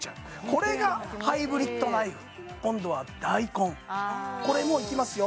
これがハイブリッドナイフ今度は大根これもいきますよ